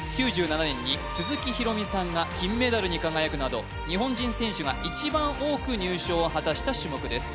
９７年に鈴木博美さんが金メダルに輝くなど日本人選手が一番多く入賞を果たした種目です